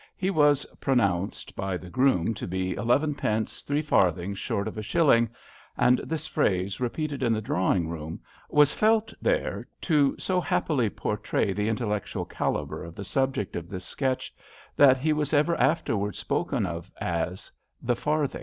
He was pronounced by the groom to be "eleven pence three farth ings short of a shilling/' and this phrase, repeated in the drawing room, was felt there to so happily portray the intellectual calibre of the subject of this sketch, that he was ever afterwards spoken of as " The Farthing."